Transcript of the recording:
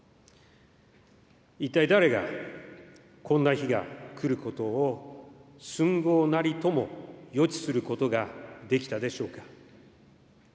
一体誰が、こんな日が来ることを寸毫なりとも予知することができたでしょうか。